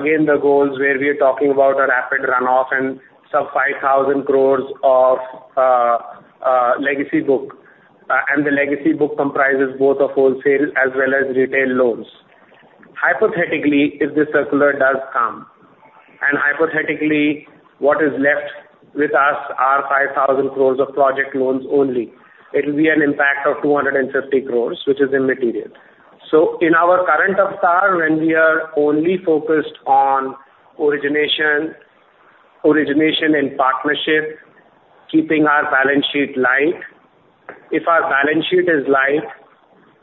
Speaker 2: again, the goals where we are talking about a rapid runoff and some 5,000 crore of legacy book, and the legacy book comprises both of wholesale as well as retail loans. Hypothetically, if the circular does come, and hypothetically, what is left with us are 5,000 crore of project loans only, it will be an impact of 250 crore, which is immaterial. So in our current avatar, when we are only focused on origination, origination in partnership, keeping our balance sheet light, if our balance sheet is light,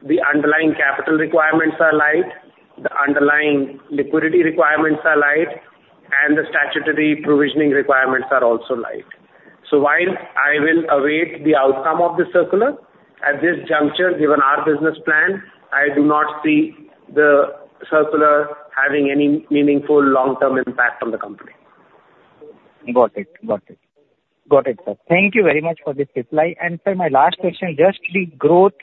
Speaker 2: the underlying capital requirements are light, the underlying liquidity requirements are light, and the statutory provisioning requirements are also light. So while I will await the outcome of the circular, at this juncture, given our business plan, I do not see the circular having any meaningful long-term impact on the company.
Speaker 3: Got it. Got it. Got it, sir. Thank you very much for this reply. And sir, my last question, just the growth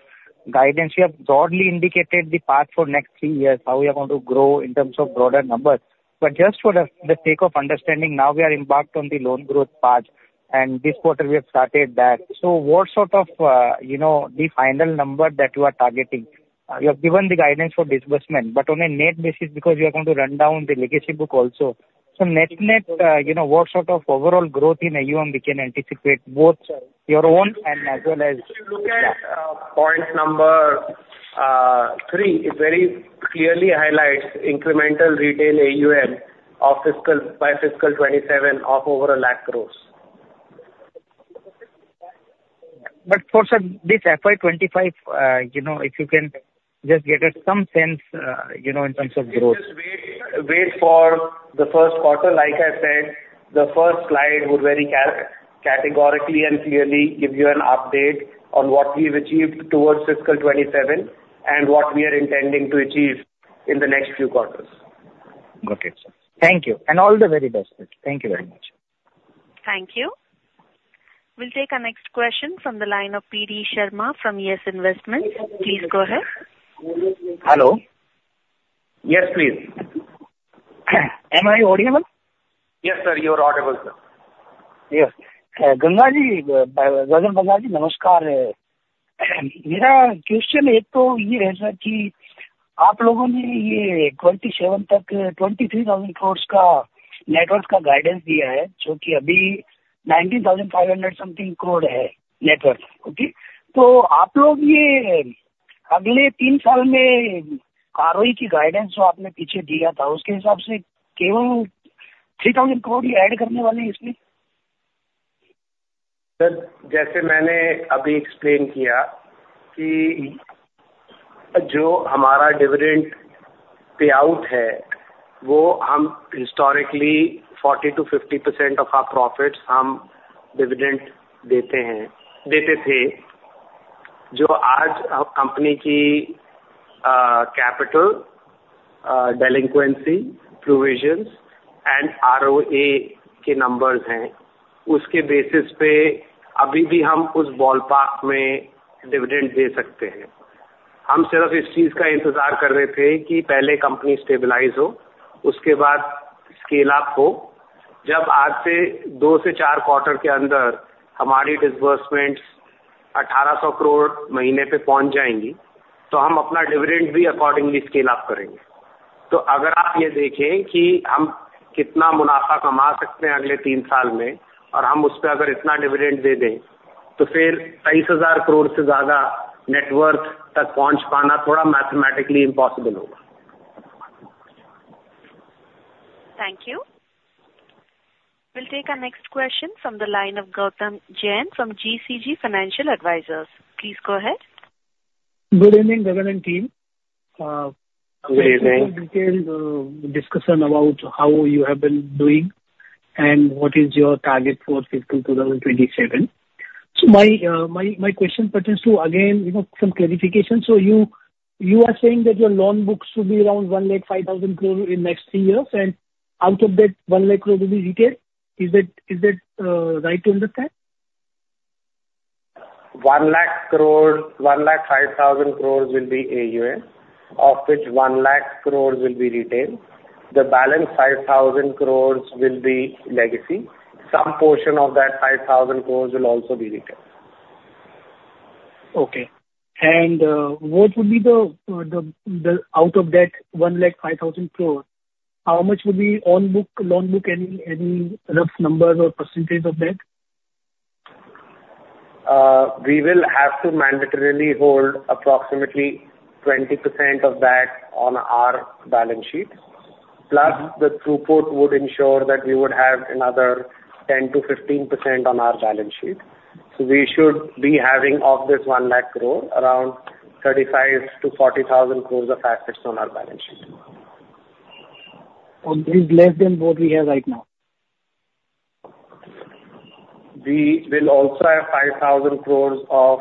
Speaker 3: guidance. You have broadly indicated the path for next three years, how we are going to grow in terms of broader numbers. But just for the sake of understanding, now we are embarked on the loan growth path, and this quarter we have started that. So what sort of, you know, the final number that you are targeting? You have given the guidance for disbursement, but on a net basis, because you are going to run down the legacy book also. So net, net, you know, what sort of overall growth in AUM we can anticipate, both your own and as well as-
Speaker 2: If you look at point number three, it very clearly highlights incremental retail AUM by fiscal 2027 of over 100,000 crore.
Speaker 3: But for sir, this FY 25, you know, if you can just get us some sense, you know, in terms of growth.
Speaker 2: Just wait, wait for the first quarter. Like I said, the first slide would very categorically and clearly give you an update on what we've achieved towards fiscal 2027 and what we are intending to achieve in the next few quarters.
Speaker 3: Got it, sir. Thank you, and all the very best. Thank you very much.
Speaker 1: Thank you. We'll take our next question from the line of PD Sharma from Yes Investments. Please go ahead.
Speaker 4: Hello?
Speaker 2: Yes, please.
Speaker 4: Am I audible?
Speaker 2: Yes, sir, you are audible, sir.
Speaker 4: Yes. Gaganji, Ramnathji, namaskar. Mera question ek toh yeh hai sir ki, aap logon ne yeh 2027 tak INR 23,000 crore ka net worth ka guidance diya hai, jo ki abhi INR 19,500-something crore hai net worth. Okay? Toh aap log yeh agle teen saal mein growth ki guidance jo aapne pehle diya tha, uske hisaab se keval INR 3,000 crore hi add karne wale hain isme?
Speaker 2: Sir, jaise maine abhi explain kiya ki jo hamara dividend payout hai, woh hum historically 40%-50% of our profits, hum dividend dete hai, dete the. जो आज company की, capital, delinquency, provision and ROA के numbers हैं, उसके basis pe abhi bhi hum us ballpark mein dividend de sakte hain। हम सिर्फ इस चीज का इंतजार कर रहे थे कि पहले कंपनी stabilize ho, उसके बाद scale up ho। जब आज से 2-4 quarter के अंदर हमारी disbursement INR 1,800 crore महीने pe pahunch jayenge, तो हम अपना dividend bhi according scale up karenge। तो अगर आप ये देखें कि हम कितना munafa kama sakte hain agle 3 saal mein aur हम उस pe अगर इतना dividend de den, तो फिर INR 23,000 crore se zyada net worth tak pahunch pana thoda mathematically impossible hoga।
Speaker 1: Thank you! We will take the next question from the line of Gautam Jain from GCJ Financial Advisor. Please go ahead.
Speaker 5: Good evening, Gagan and team.
Speaker 2: Good evening.
Speaker 5: Discussion about how you have been doing and what is your target for fiscal 2027. So my question pertains to again, you know, some clarification. So you are saying that your loan book should be around 105,000 crore in next three years and out of that 100,000 crore rupees will be retained. Is that right to understand?
Speaker 2: 100,000 crore, 105,000 crore will be AUM, of which 100,000 crore will be retail. The balance 5,000 crore will be legacy. Some portion of that 5,000 crore will also be retained.
Speaker 5: Okay, and what will be the out of that 105,000 crore, how much will be on book, loan book, any rough numbers or percentage of that?
Speaker 2: Ah, we will have to mandatorily hold approximately 20% of that on our balance sheet, plus the support would ensure that we would have another 10%-15% on our balance sheet. So we should be having, of this 100,000 crore, around 35,000-40,000 crore of assets on our balance sheet.
Speaker 5: Only less than what we have right now?
Speaker 2: We will also have 5,000 crore of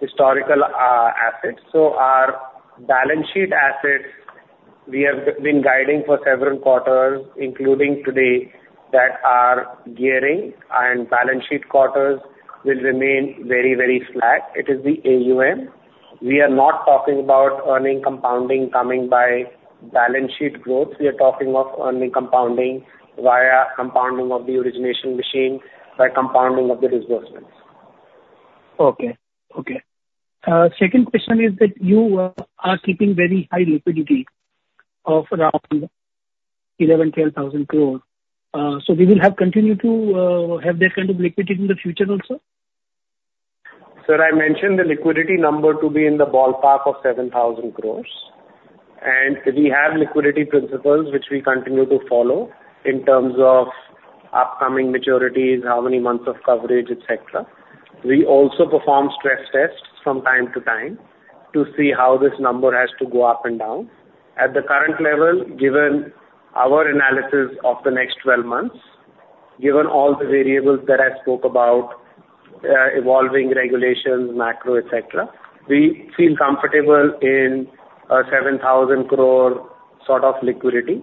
Speaker 2: historical assets. So our balance sheet assets, we have been guiding for several quarters, including today, that our gearing and balance sheet quarters will remain very, very flat. It is the AUM. We are not talking about earning compounding coming by balance sheet growth, we are talking of earning compounding via compounding of the origination machine by compounding of the disbursement.
Speaker 5: Okay, okay. Second question is that you are keeping very high liquidity of around 11,000-12,000 crore. So we will continue to have that kind of liquidity in the future also?
Speaker 2: Sir, I mentioned the liquidity number to be in the ballpark of 7,000 crore. And we have liquidity principles, which we continue to follow in terms of upcoming maturity, how many months of coverage, etc. We also perform stress tests from time to time to see how this number has to go up and down. At the current level, given our analysis of the next 12 months, given all the variables that I spoke about, evolving regulations, macro, etc. We feel comfortable in 7,000 crore sort of liquidity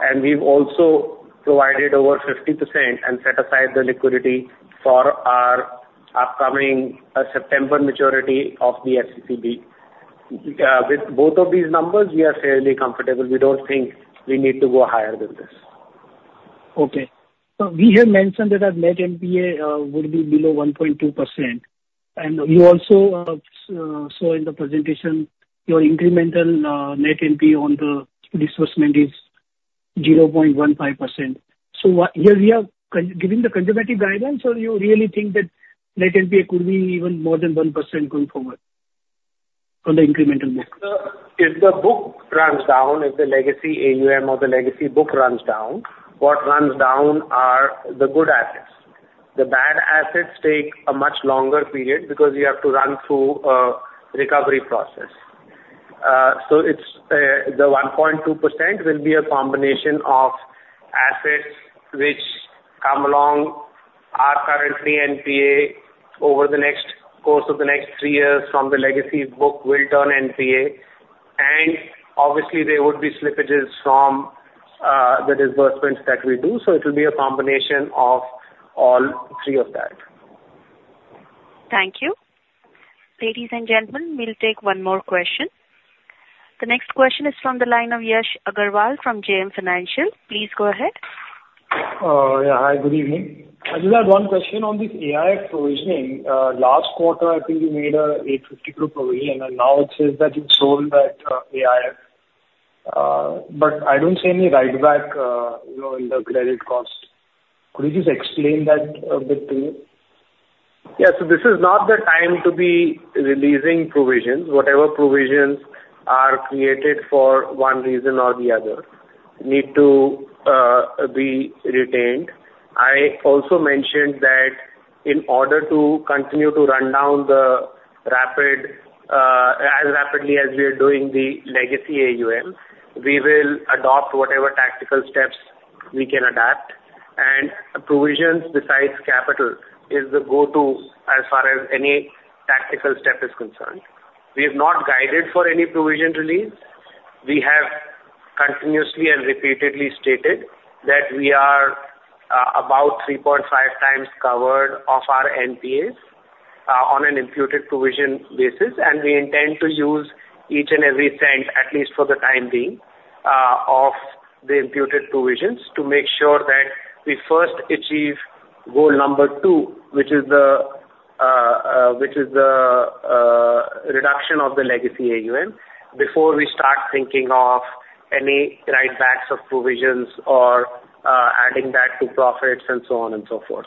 Speaker 2: and we have also provided over 50% and set aside the liquidity for our upcoming September maturity of the FCCB. With both of these numbers, we are fairly comfortable. We don't think we need to go higher than this.
Speaker 5: Okay, so we have mentioned that the net NPA would be below 1.2% and you also, so, in the presentation, your incremental net NPA on the disbursement is 0.15%. So, what here we are giving the conservative guidance or you really think that net NPA could be even more than 1% going forward on the incremental book?
Speaker 2: Sir, if the book runs down, if the legacy AUM or the legacy book runs down, what runs down are the good assets. The bad assets take a much longer period, because you have to run through a recovery process. So it's the 1.2% will be a combination of assets, which come along, are currently NPA over the next course of the next three years from the legacy book will turn NPA and obviously, there would be slippages from the disbursement that we do. So it will be a combination of all three of that.
Speaker 1: Thank you! Ladies and gentlemen, we will take one more question. The next question is from the line of Yash Agarwal from JM Financial. Please go ahead.
Speaker 6: Hi, good evening. I just have one question on this AIF provisioning. Last quarter, I think, you made an 850 crore provision and now it says that you sold that AIF. But I don't see any write-back, you know, in the credit cost. Could you just explain that a bit to me?
Speaker 2: Yes, so this is not the time to be releasing provision. Whatever provision are created for one reason or the other, need to be retained. I also mentioned that in order to continue to run down the RAPID as rapidly as we are doing the legacy AUM, we will adopt whatever tactical steps we can adopt... and provisions besides capital is the go-to as far as any tactical step is concerned. We have not guided for any provision release. We have continuously and repeatedly stated that we are, about 3.5 times covered of our NPAs, on an imputed provision basis, and we intend to use each and every cent, at least for the time being, of the imputed provisions, to make sure that we first achieve goal number 2, which is the, which is the, reduction of the legacy AUM, before we start thinking of any write backs of provisions or, adding back to profits and so on and so forth.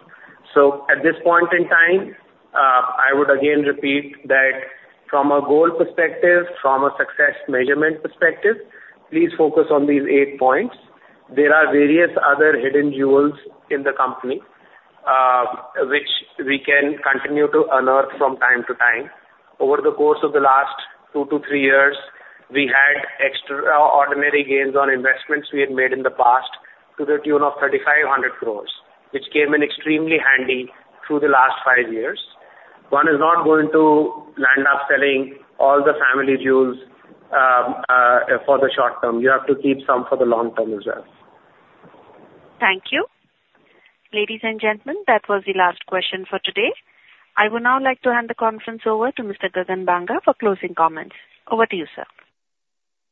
Speaker 2: So at this point in time, I would again repeat that from a goal perspective, from a success measurement perspective, please focus on these 8 points. There are various other hidden jewels in the company, which we can continue to unearth from time to time. Over the course of the last 2-3 years, we had extraordinary gains on investments we had made in the past to the tune of 3,500 crore, which came in extremely handy through the last 5 years. One is not going to land up selling all the family jewels for the short term. You have to keep some for the long term as well.
Speaker 1: Thank you. Ladies and gentlemen, that was the last question for today. I would now like to hand the conference over to Mr. Gagan Banga for closing comments. Over to you, sir.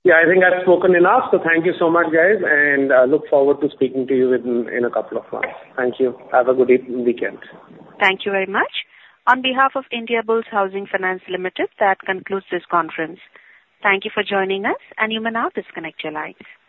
Speaker 2: Yeah, I think I've spoken enough, so thank you so much, guys, and I look forward to speaking to you in, in a couple of months. Thank you. Have a good evening weekend.
Speaker 1: Thank you very much. On behalf of Indiabulls Housing Finance Limited, that concludes this conference. Thank you for joining us, and you may now disconnect your line.